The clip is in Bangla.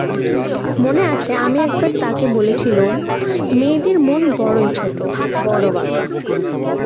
মনে আছে আমি একবার তাঁকে বলেছিলুম, মেয়েদের মন বড়োই ছোটো, বড়ো বাঁকা।